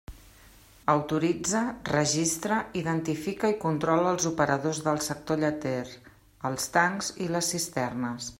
Autoritza, registra, identifica i controla els operadors del sector lleter, els tancs i les cisternes.